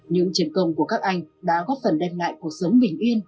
những chiến công của các anh đã góp phần đem lại cuộc sống bình yên